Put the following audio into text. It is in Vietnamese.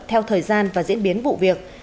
theo thời gian và diễn biến vụ việc